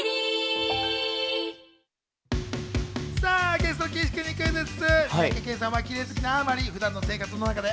ゲストの岸君にクイズッス！